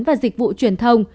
và dịch vụ truyền thông